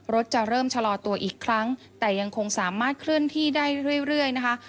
จะเริ่มชะลอตัวอีกครั้งแต่ยังคงสามารถเคลื่อนที่ได้เรื่อยนะคะ